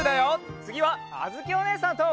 つぎはあづきおねえさんと。